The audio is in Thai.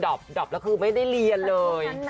อบแล้วคือไม่ได้เรียนเลย